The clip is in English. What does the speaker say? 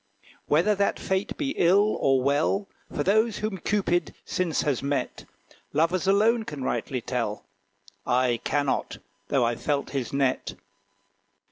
Whether that fate be ill or well For those whom Cupid since has met, Lovers alone can rightly tell: I cannot, though I've felt his net.